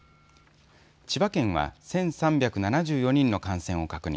千葉県は１３７４人の感染を確認。